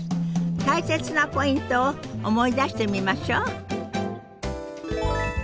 大切なポイントを思い出してみましょう。